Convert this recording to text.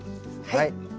はい。